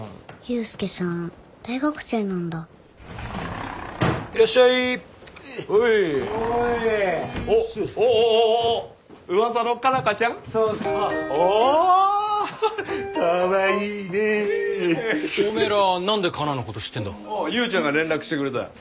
ユーちゃんが連絡してくれた。